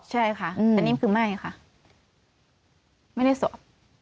ใช่ค่ะแต่นี่คือไม่ค่ะไม่ได้สอบ